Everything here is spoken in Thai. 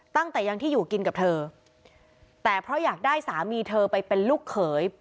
ตั้งแต่ยังที่อยู่กินกับเธอแต่เพราะอยากได้สามีเธอไปเป็นลูกเขย